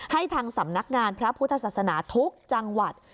ให้ทางสำนักงานพระพุทธศาสนาทุกจังหวัด